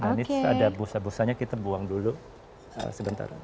nah ini ada busa busanya kita buang dulu sebentar